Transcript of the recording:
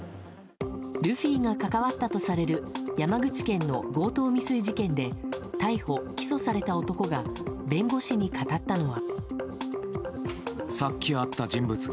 ルフィが関わったとされる山口県の強盗未遂事件で逮捕・起訴された男が弁護士に語ったのは。